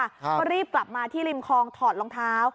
ก็รีบกลับมาที่ริมคลองถอดรองเท้า